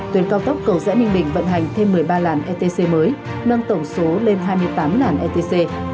tuyến cao tốc cầu rẽ ninh bình vận hành thêm một mươi ba làn etc mới nâng tổng số lên hai mươi tám làn etc